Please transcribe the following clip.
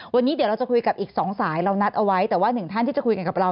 วันนี้เดี๋ยวเราจะคุยกับอีกสองสายเรานัดเอาไว้แต่ว่าหนึ่งท่านที่จะคุยกันกับเรา